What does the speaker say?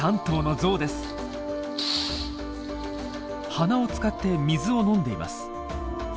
鼻を使って水を飲んでいます。